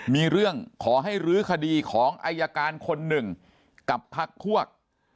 มีเรื่องขอให้รื้อคดีของอายการคนหนึ่งกับพักพวก